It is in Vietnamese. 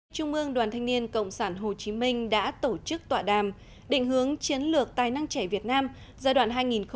trung mương đoàn thanh niên cộng sản hồ chí minh đã tổ chức tọa đàm định hướng chiến lược tài năng trẻ việt nam giai đoạn hai nghìn hai mươi hai nghìn hai mươi năm